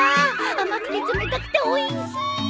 甘くて冷たくておいしい！